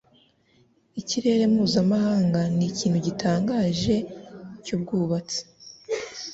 Ikirere mpuzamahanga nikintu gitangaje cyubwubatsi